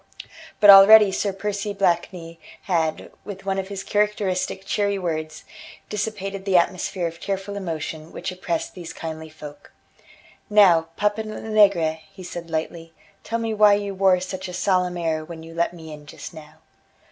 But already Sir Percy Blakeney had, with one of his characteristic cheery words, dissipated the atmosphere of tearful emotion which oppressed these kindly folk. "Now, Papa Lenegre," he said lightly, "tell me why you wore such a solemn air when you let me in just now."